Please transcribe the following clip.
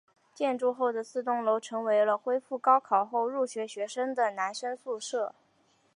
建成后的四栋楼成为了恢复高考后入学学生的男生宿舍。